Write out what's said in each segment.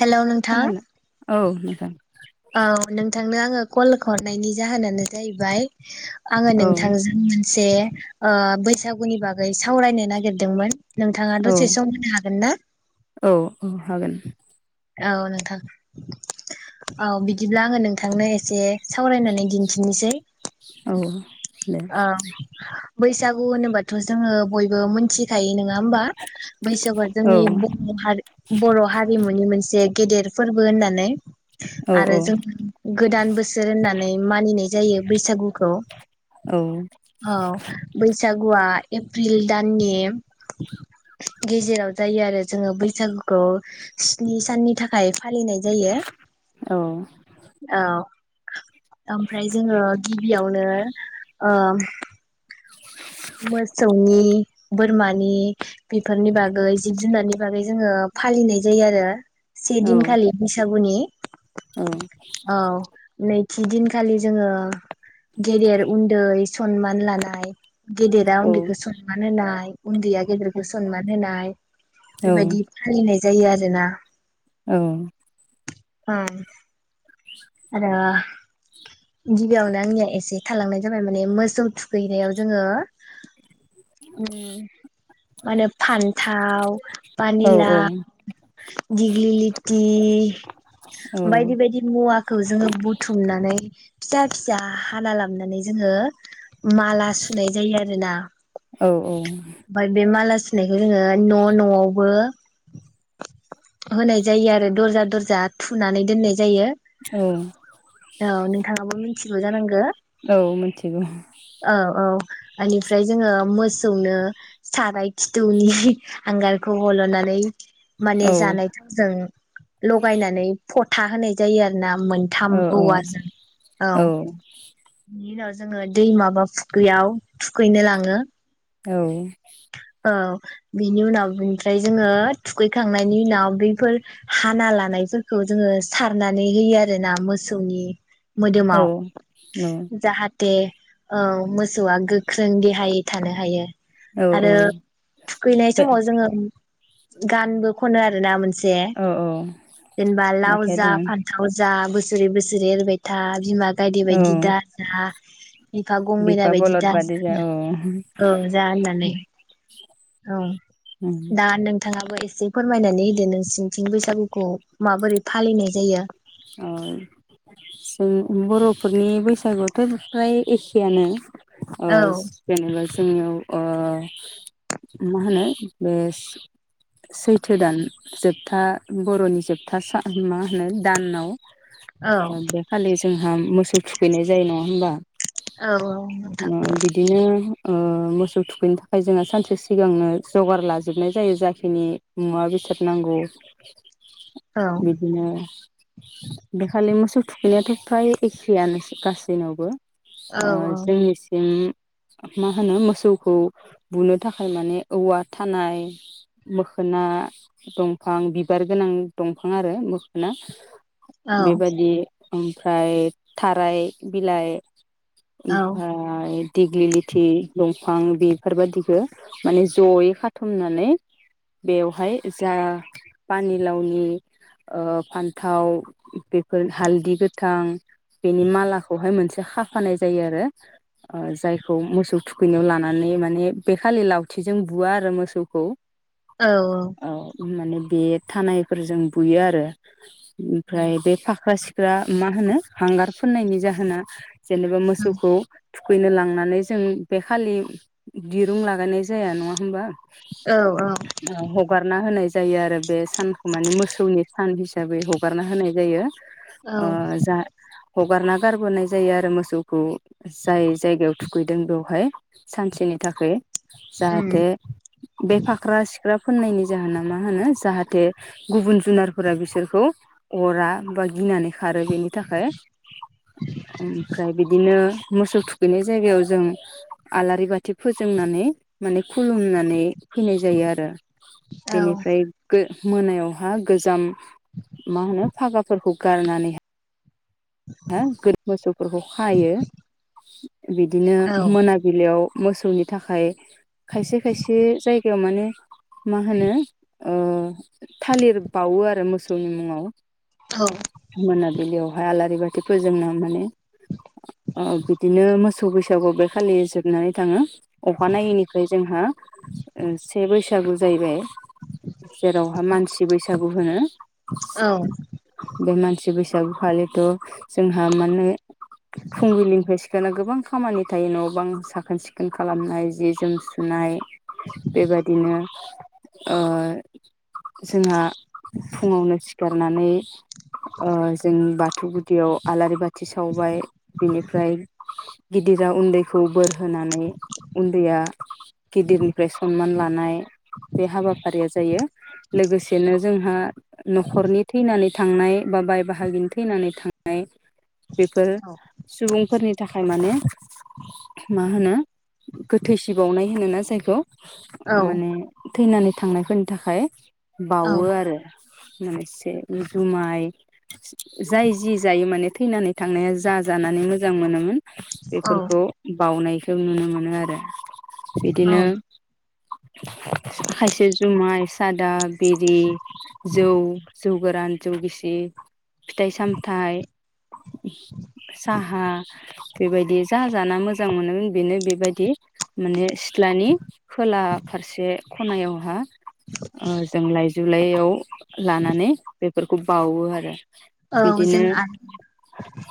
हेल' नोंथां? खोनानो औ नोंथां औ नोंथांनो आङो कल हरनायनि जाहोनानो जाहैबाय आङो औ नोंथांजों मोनसे ओ बैसागुनि बागै सावरायनो नागिरदोंमोन। नोंथाङा औ दसे सम होनो हागोन ना? औ औ हागोन। औ नोंथां औ बिदिब्ला आङो नोंथांनो एसे सावरायनानै दिन्थिनोसै। औ दे अ बैसा गु होनोबाथ' जोङो बयबो मोनथि खायो नङा होमबा बैसागुआ औ जोंनि बर' हारि बर' हारिमुनि मोनसे गेदेर फोरबो होननानै। औ आरो जों गोदान बोसोर होननानै मानिनाय जायो बैसागुखौ। औ सागुआ एप्रिल दाननि गेजेराव जायो आरो जोङो बैसागुखौ स्नि साननि थाखाय फालिनाय जायो औ औ। ओमफ्राय जोङो गिबियावनो अ मोसौनि बोरमानि बेफोरनि बागै जिब जुनारनि बागै जोङो फालिनाय जायो आरो। औ सेदिनखालि बैसागुनि औ औ नैथि दिनखालि जोङो गेदेर उन्दै सनमान लानाय गेदेरा उन्दैखौ सनमान होनाय उन्दैया गेदेरखौ सनमान होनाय बेबायदि फालिनाय जायो आरो ना। औ। हम। आरो गिबियावनो आंनिया एसे थालांनाय जाबाय माने मोसौ थुखैनायाव जोङो माने फान्थाव पानिलाव दिग्लिलिथि बायदि बायदि मुवाखौ जोङो बुथुमनानै फिसा फिसा हाना लाबनानै जोङो माला सुनाय जायो आरोना। औ औ। ओमफ्राय बे माला सुनायखौ जोङो न' न'आवबो होनाय जायो आरो दरजा दरजा थुनानै दोननाय जायो। औ औ नोंथाङाबो मि थिगौ जानांगौ। औ मिथिगौ। ओनिफ्राय जोङो मोसौनो साराय खिथुनि हांगारखौ हल'नानै माने औ जानाय थावजों लगायनानै फथ था होनाय जायो आरोना। मोनथाम औ औ औवा जों। औ [unintelligible] जोङो दैमा बा फुख्रियाव थुखैनो लाङो। औ। औ बिनि उनाव बिनिफ्राय जोङो थुखैखांनायनि उनाव बेफोर हाना लानायफोरखौ जोङो सारनानै होयो आरो ना मोसौनि मोदोमाव औ जाहा दे औ मोसौआ गोख्रों देहायै थानो हायो। औ आरो औ थुखैनाय बे समाव जोङो गानबो खनो आरो ना मोनसे से औ औ जेनबा लाव मेथाइ जा दं फान्थाव जा बोसोरे बो सेरे एरबाय था बिमा गायदे औ बायदि दाजा बिफा गं मेनि बिफा बायदि बलद दाजा बादि जा औ औ जा होननानै। अ दानों नोंथाङाबो एसे फोरमायनानै होदो नों सिंथिं बैसागुखौ माबोरै? फालिनाय जायो उम जों बर'फोरनि बैसागुआथ' फ्राय एसेआानो। ओ औ जेनेबा जोंनियाव ओ मा होनो बे सैथो दान जोबथा बर'नि जोबथा सान। मा होनो दानाव? औ अ बे खालि जों हम मोसौ थुखैनाय जायो नङा होमबा। औ नोंथां ओ बिदिनो ओ मोसौ थुखैनो थाखाय जोङो सानसे सिगांनो जगार लाजोबनाय जायो जाखिनि मुवा बेसाद नांगौ। औ बिदिनो बेखालि मोसौ थुखैनायाथ' फ्राय एखेयानो गासैनावबो। औ ओ औ जोंनिसिम मा होनो मोसौखौ बुनो थाखाय माने औवा थानाय मोखोना दंफां बिबार गोनां दं दोफां आरो मोखोना औ बेबायादि ओमफ्राय थाराय बिलाइ औ ओमफाय? दिग्लि लिथि दंफां बेफोरबायादिखौ माने जयै खाथुमनानै बेवहाय जा पानिलावनि दि ओ फान्थाव बेफोर हालदि गोथां बेनि मालाखौहाय मोनसे? खाफानाय जायो आरो ओ जायखौ मोसौ थुखैनायाव लानानै माने बे खालि लावथिजों बुवा आरो मोसौखौ। औ औ। औ माने बे थानायफोरजों बुयो आरो! ओमफ्राय बे फाख्रा सिख दा मा होनो हांगार फोननायनि जाहोना? जेनेबा मोसौखौ थुखैनो लांनानै जों बे खालि दिरुं लागायनाय जाया नङा होमबा। औ हगारना होनाय जायो आरो बे सानखौ मान मोसौ फुंनि सान हिसाबै हगारना होनाय जायो। ओ जा हगारना गारबोनाय जायो आरो मोसौखौ जाय जायगायाव थुखैदों बेवहाय सानसेनि थाखाय जाहाथे बे फाख्रा सिख्रा। फोनायनि जाहोना मा होनो जाहाथे गुबुन। जुनारफोरा बिसोरखौ अरा बा गिनानै। खारो बेनि थाखाय ओमफ्राय बिदिनो। मोसौ थुखैनाय जायगायाव जों आलारि बाथि फोजोंनानै माने खुलुमनानै फैनाय जायो आरो। बेनिफ्राय गो मोनायाव हा गोजाम मा होनो फागाफोरखौ गारनानै हा दि मोसौफोरखौ खायो [unintelligible] बिदिनो औ मोनाबिलियाव। मोसौनि थाखाय खायसे खायसे जायगायाव माने मा होनो ओ थालिर बावो आरो मोसौनि मुङाव। औ मोनाबिलियाव हा आला दुखुजों न माने ओ बिदिनो मोसौ बैसागुआव बे खालि जोबनानै थाङो अखानायैनिफ्राय जोंहा ओ से बैसागु जाहैबाय। जेरावहा मानसि बैसागु होनो सो बे मानसि बैसा बै खालिथ' [unintelligible] जोंहा माने। फुंबिलिनिफ्राय सि दाना गोबां खामानि थायो न' बां साखोन सिखोन खालामनाय जि जोम सुनाय। बेबादिनो। ओ जोंहा। फुङावनो सि खारनानै जों बाथौ [unintelligible] गुदियाव आलारि बा थि सावबाय बिनिफ्राय। गिदिरा उन्दैखौ बोर होनानै उन्दैया। गिदिरनिफ्राय सनमान ला नाय बे हाबाफारिया जायो। लोगोसेनो जोंहा न'खरनि थैनानै। थांनाय बा बाय बाहागिनो थैनानै थां [unintelligible] बेफोर औ सुबुंफोरनि थाखाय माने मा। होनो गोथै सि बावनाय होनो ना जायखौ। औ माने। थैनानै थांनायफोरनि थाखाय। बावो आरो मोनसे जुमाय जाय जि जायो माने थैनानै थांनाया जा जानानै मोजां मोनोमोन। औ बेफोरखौ बावनाय। जों नुनो मोनो आरो। बिदिनो। खायसे जुमाय सादा। बिरि जौ जौ। गोरान जौ गिसि फिथाइ साम थाइ साहा बेबायदि जा जाना मोजां मोनोमोन बेनो बेबायदि माने सिथ्लानि खोला फारसे खनायावहा ओ जों लाइजुलायाव। लानानै। बेफोरखौ बावो आरो। औ जों बिदिनो आरो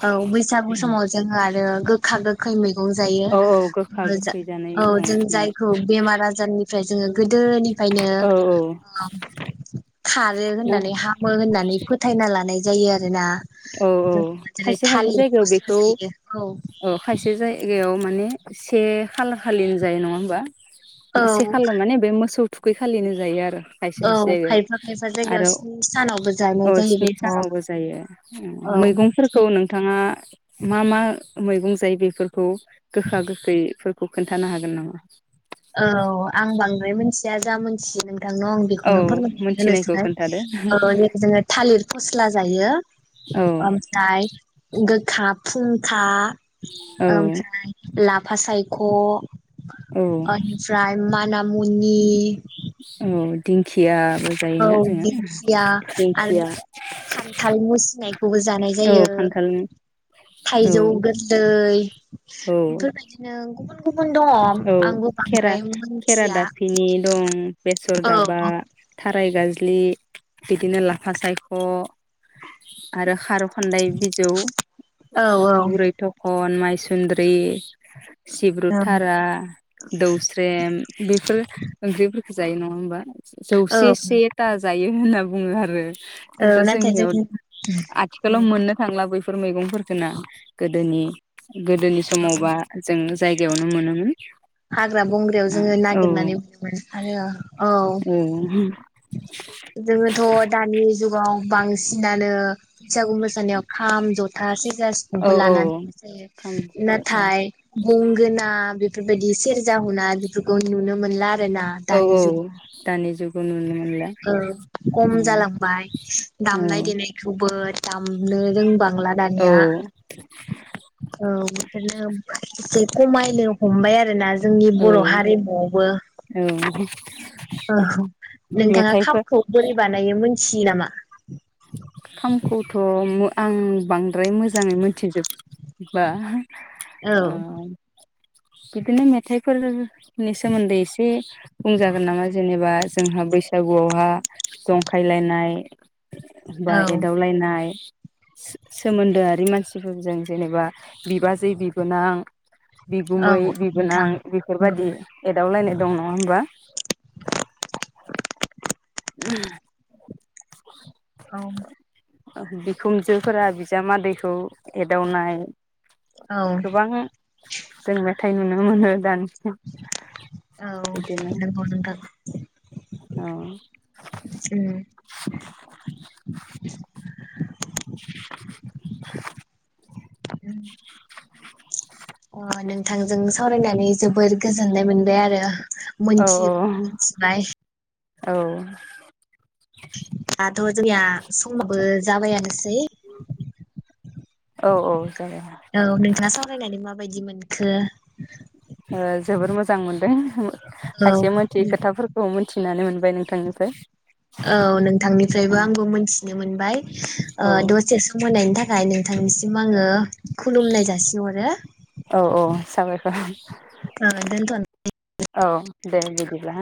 औ बैसागु समाव जोङो आरो गोख खा गोखै मै औ जायो औ औ गोखा गोखै जानाय औ दं जों जायखौ बेमार आजारनिफ्राय। जोंङो। गोदोनिफ्रायनो औ खारो औ होननानै हामो होननानै फोथायना लानाय। जायो आरो ना। औ औ खायसे खायसे जायगायाव फस्ला बेखौ जायो औ औ खायसे जायगायाव। माने से खालारखालिनो जायो नङा होमबा? औ से खालार माने बे मोसौ। थुखै खालिनो जायो आरो। खायसे औ खायसे जायगायाव खायफा खायफा जायगायाव आरो स्नि सानावबो औ जायनाय जायो स्नि बेखौ। सानावबो जायो औ मैगंफोरखौ नोंथाङा मा मा। मैगं जायो बेफोरखौ गोखा गोखैफोरखौ खोन्थानो हागोन नामा? औ आं बांद्राय मोनथिया जा मोनथियो। नोंथांनो आं औ बेखौनो फोरमायनानै मोनथिनायखौ होनोसै खोन्थादो ओ जोङो थालिर फस्ला जायो औ ओमफ्राय गो था फुंखा। औ ओमफ्राय ला फासायख'। औ ओ निफ्राय [unintelligible] मुनि। औ दिंखिया। औ जायोना जोङो दिंखिया आरो खान्थाल मुसिनायखौबो जानाय औ जायो खान्थाल औ थाइजौ गोरन्दै औ बेफोरबायदिनो गुबुन गुबुन दङ औ आंबो खेरा बांद्राय खेरा मोनथिया दाफिनि दं बेसर औ दाबा। फाइ गाज्लि बिदिनो लाफा सायख' आरो खार' खान्दाय बिजौ, औ बुरै थखन माय सुनद्रि, सिब्रु औ थारा, दौस्रेम बेफोर ओंख्रि जायो नङा होमबा? औ जौसे सेथा जायो होनना बुङो आरो। औ खिन्थु नाथाय जों जोंनियाव आथिखालाव मोननो थांलाबो फोर मैगंफोरखो ना गोदोनि गोदोनि समावबा जों फ्रियावनो मोनो मोन। हाग्रा बंग्रायाव जोङो नागिरनानै [inaudible] आरो औ जोङोथ' दानि जुगाव बांसिनानो बैसागु मोसानायाव खाम, ज'था, सेरजा, औ सिफुंखौ औ लानानै मोसायो खाम जथा नाथाय गंगोना बेफोर सेरजा हुना बेफोरखौ नुनो मोनला औ औ दानि जुग औ खम जालांबाय दामनाय औ देनायखौबो दामनो रोंबांला दानिया औ बिदिनो एसे खमायनो हमबाय आरोना जोंनि औ बर' हारिमुआवबो औ औ औ। नोंथाङा मेथाइफोर खामखौ बोरै बानायो मोन मिनथियो नाम खामखौथ' मो आं बांद्राय मोजाङै मोनथिजोब बा। औ ओ बिदिनो मेथाइफोर नि सोमोन्दै एसे बुंजागोन नामा जेनेबा जोंहा बैसागुआव हा जंखायलायनाय एखमबा औ एदावलायनाय। सोमोन्दोआरि मानसिफोरजों जेनेबा बिबाजै बिबोनां औ बिगुमै औ बिबोनां नोंथां नंगौ बेफोरबायाददि एदावलायनाय दं नङा होमबा? [unintelligible] औ ओ बिखुनजोफोरा बिजामादैखौ एदावनाय औ गोबां जों मेथाइ नुनो मोनो। दान औ नंगौ नोंथां। औ। [inaudible] उम [unintelligible] अ नोंथांजों सावरायनानै जोबोर गोजोननाय मोनबाय आरो औ मोनथि मिनथिबाय। औ। [inaudible] थ' जोंनिया समाबो जाबायानोसै। औ औ जाबाय औ नोंथाङा सावरायनानै माबायदि मोन खो ओ जोबोर मोजां मोनदों औ खायसे मोनथियै औ खोथाफोरखौ मोनथि नानै मोनबाय नोंथांनिफ्राय। औ नोंथांनिफ्रायबो आंबो मोनथिनो मोनबाय। ओ औ दसे सम होनायनि थाखाय खाय नोंथांनिसिम आङो खुलुमनाय जासिहरो। औ औ साबायखर ओ दोनथ'नो औ दे बिदिब्ला